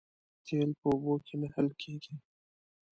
تیل په اوبو کې نه حل کېږي